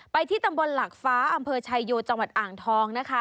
ที่ตำบลหลักฟ้าอำเภอชายโยจังหวัดอ่างทองนะคะ